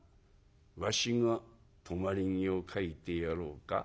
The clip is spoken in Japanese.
「わしが止まり木を描いてやろうか？」。